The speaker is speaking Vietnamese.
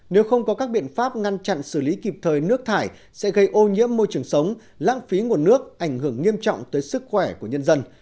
nếu không có các biện pháp ngăn chặn xử lý kịp thời nước thải sẽ gây ô nhiễm môi trường sống lãng phí nguồn nước ảnh hưởng nghiêm trọng tới sức khỏe của nhân dân